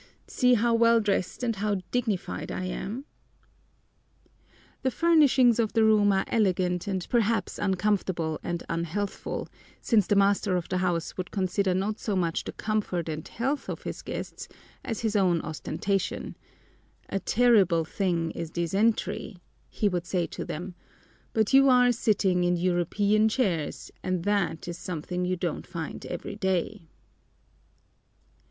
See how well dressed and how dignified I am!" The furnishings of the room are elegant and perhaps uncomfortable and unhealthful, since the master of the house would consider not so much the comfort and health of his guests as his own ostentation, "A terrible thing is dysentery," he would say to them, "but you are sitting in European chairs and that is something you don't find every day."